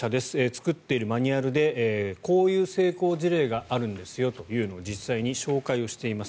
作っているマニュアルでこういう成功事例があるんですよというのを実際に紹介しています。